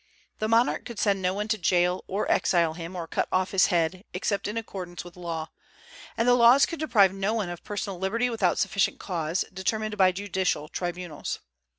The monarch could send no one to jail, or exile him, or cut off his head, except in accordance with law; and the laws could deprive no one of personal liberty without sufficient cause, determined by judicial tribunals.